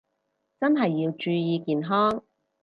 真係要注意健康